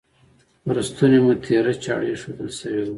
پر ستوني مو تیره چاړه ایښودل شوې وه.